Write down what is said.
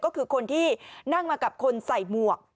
ก็คือคนที่นั่งมากับคนใส่หมวก